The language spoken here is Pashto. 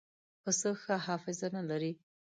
پسه ښه حافظه نه لري.